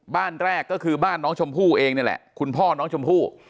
บ้านแรกก็คือบ้านน้องชมพู่เองนี่แหละคุณพ่อน้องชมพู่